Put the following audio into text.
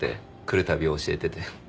来るたび教えてて。